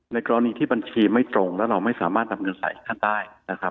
ในกรณีที่บัญชีไม่ตรงแล้วเราไม่สามารถทำเงินใส่ข้างใต้